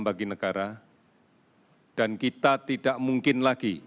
bagi negara dan kita tidak mungkin lagi